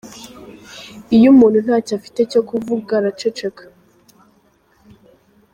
Iyo umuntu ntacyo afite cyo kuvugara araceceka.